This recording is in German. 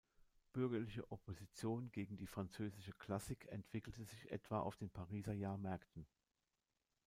Bürgerliche Opposition gegen die französische Klassik entwickelte sich etwa auf den Pariser Jahrmärkten.